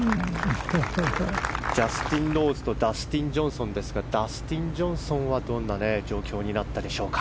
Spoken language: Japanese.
ジャスティン・ローズとダスティン・ジョンソンですがダスティン・ジョンソンはどんな状況になったでしょうか。